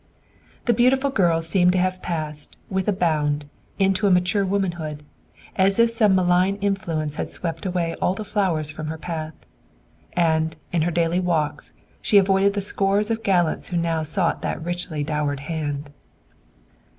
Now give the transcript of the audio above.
The beautiful girl seemed to have passed, with a bound, into a mature womanhood, as if some malign influence had swept away all the flowers from her path. And, in her daily walks, she avoided the scores of gallants who now sought that richly dowered hand.